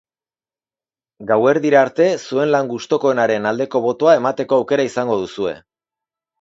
Gauerdira arte, zuen lan gustukoenaren aldeko botoa emateko aukera izango duzue.